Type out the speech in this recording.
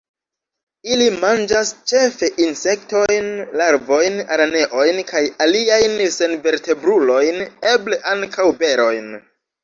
Ili manĝas ĉefe insektojn, larvojn, araneojn kaj aliajn senvertebrulojn; eble ankaŭ berojn.